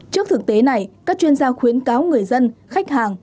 trước thực tế này các chuyên gia khuyến cáo người dân khách hàng